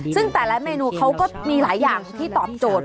ซึ่งแต่ละเมนูเขาก็มีหลายอย่างที่ตอบโจทย์